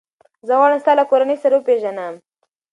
زه غواړم ستا له کورنۍ سره وپېژنم.